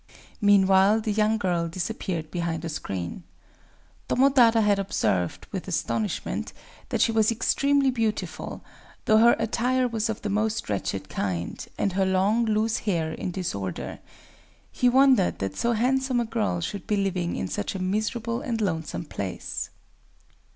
Meanwhile the young girl disappeared behind a screen. Tomotada had observed, with astonishment, that she was extremely beautiful,—though her attire was of the most wretched kind, and her long, loose hair in disorder. He wondered that so handsome a girl should be living in such a miserable and lonesome place.